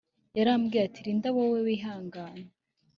yarambwiye ati Linda wowe wihangane